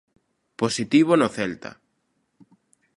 Positivo no Celta.